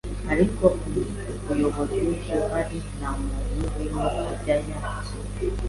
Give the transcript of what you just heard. ariko umuyobozi uhari nta muntu w’ino ajya yakira